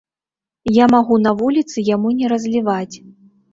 Я магу на вуліцы яму не разліваць.